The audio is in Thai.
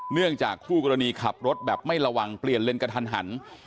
เนื่องจากคู่กรณีขับรถแบบไม่ระวังเปลี่ยนเลนกระทันหัน